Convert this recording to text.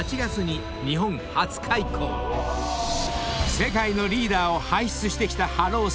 ［世界のリーダーを輩出してきたハロウスクール］